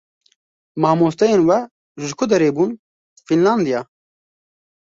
Mamosteyên we ji ku derê bûn? "Fînlandiya."